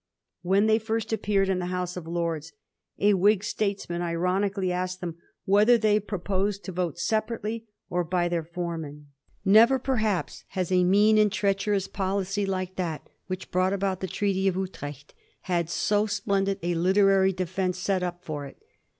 When they first appeared in the House of Lords, a Whig statesman ironically asked them whether they pro posed to vote separately or by their foreman ? Never, perhaps, has a mean and treacherous policy like that which brought about the Treaty of Utrecht had so splendid a literary defence set up for it.